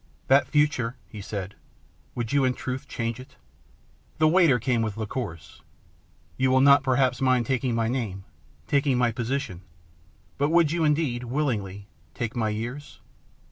" That future," he said, " would you in truth change it ?" The waiter came with liqueurs. " You will not perhaps mind taking my name, taking my position, but would you indeed willingly take my years